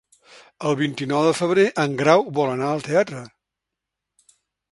El vint-i-nou de febrer en Grau vol anar al teatre.